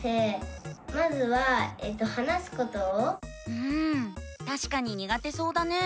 うんたしかににがてそうだね。